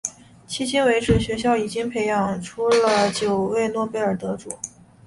迄今为止学校已经培养出了九位诺贝尔奖得主。